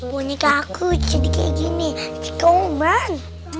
boneka aku jadi kayak gini cek komen